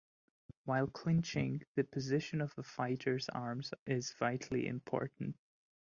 While clinching, the position of a fighter's arms is vitally important.